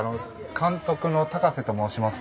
監督の高瀬と申します。